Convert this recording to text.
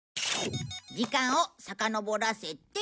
時間をさかのぼらせて。